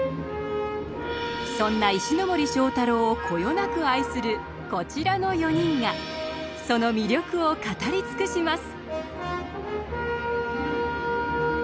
そんな石森章太郎をこよなく愛するこちらの４人がその魅力を語り尽くします。